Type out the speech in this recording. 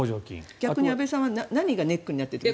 浜田逆に安部さんは何がネックになっていると？